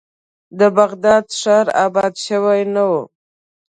د بغداد ښار آباد شوی نه و.